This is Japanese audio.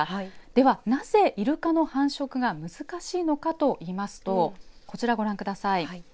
ではなぜ、いるかの繁殖が難しいのかといいますとこちらご覧ください。